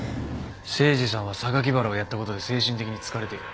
誠司さんは榊原をやったことで精神的に疲れている。